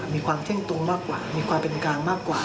มีความเที่ยงตรงมากกว่ามีความเป็นกลางมากกว่า